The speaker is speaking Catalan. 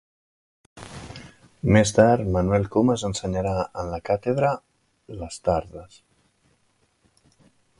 Més tard Manuel Comes ensenyà en la càtedra les tardes.